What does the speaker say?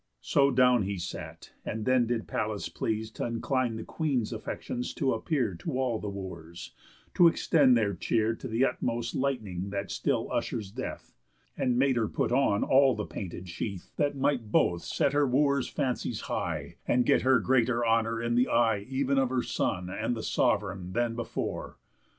So down he sat; and then did Pallas please T' incline the Queen's affections to appear To all the Wooers, to extend their cheer To th' utmost lightning that still ushers death, And made her put on all the painted sheath, That might both set her Wooers' fancies high, And get her greater honour in the eye Ev'n of her son and sov'reign than before.